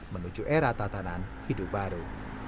menuju era tatanan hidup baru